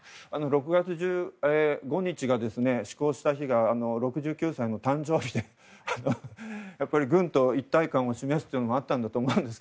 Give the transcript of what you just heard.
６月１５日施行した日が６９歳の誕生日で軍と一体感を示すというものあったと思うんです。